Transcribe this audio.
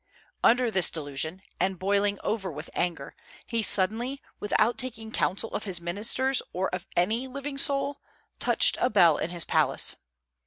Under this delusion, and boiling over with anger, he suddenly, without taking counsel of his ministers or of any living soul, touched a bell in his palace.